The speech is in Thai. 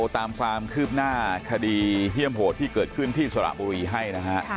ตามความคืบหน้าคดีเยี่ยมโหดที่เกิดขึ้นที่สระบุรีให้นะฮะ